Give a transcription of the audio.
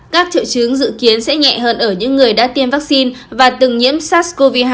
các triệu chứng dự kiến sẽ nhẹ hơn ở những người đã tiêm vaccine và từng nhiễm sars cov hai